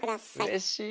うれしい。